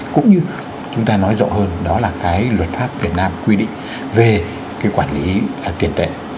cũng như chúng ta nói rõ hơn đó là cái luật pháp việt nam quy định về cái quản lý tiền tệ